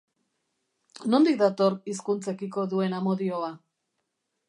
Nondik dator hizkuntzekiko duen amodioa?